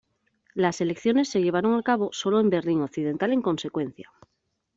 Las elecciones se llevaron a cabo sólo en Berlín occidental en consecuencia.